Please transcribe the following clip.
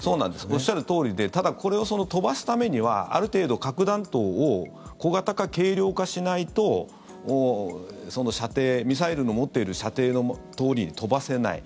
おっしゃるとおりでただ、これを飛ばすためにはある程度、核弾頭を小型化・軽量化しないとミサイルの持っている射程のとおりに飛ばせない。